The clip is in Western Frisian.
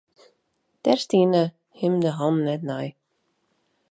Dêr stienen him de hannen net nei.